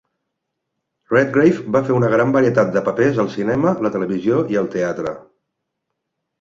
Redgrave va fer una gran varietat de papers al cinema, la televisió i el teatre.